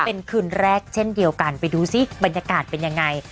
เป็นคืนแรกเช่นเดียวกันไปดูสิบรรยากาศเป็นยังไง